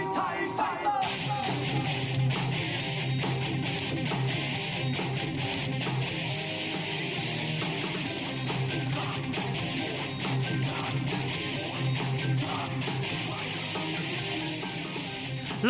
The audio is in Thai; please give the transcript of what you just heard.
สำหรับ